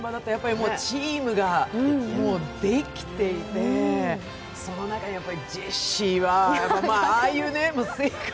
チームがもうできていてその中でジェシーはああいう性格